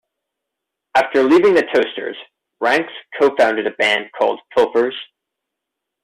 After leaving the Toasters, Ranx co-founded a band called Pilfers.